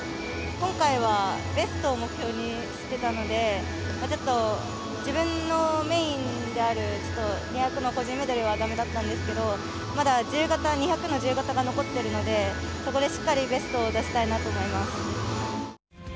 今回はベストを目標にしていたので自分のメインである２００の個人メドレーはだめだったんですけどまだ２００の自由形が残っているのでそこでしっかりと、ベストを出したいなと思います。